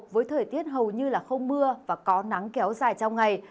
với thời tiết hầu như không mưa và có nắng kéo dài trong ngày